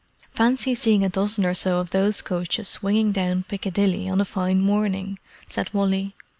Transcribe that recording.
"Fancy seeing a dozen or so of those coaches swinging down Piccadilly on a fine morning!" said Wally.